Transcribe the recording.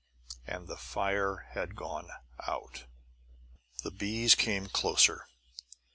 AND THE FIRE HAD GONE OUT. The bees came closer.